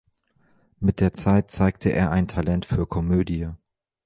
Mit der Zeit zeigte er ein Talent für Komödie.